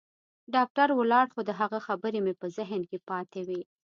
ډاکتر ولاړ خو د هغه خبرې مې په ذهن کښې پاتې وې.